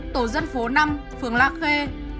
tổ dân phố năm phường lạc hê